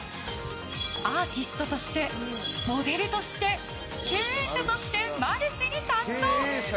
アーティストとしてモデルとして経営者としてマルチに活動！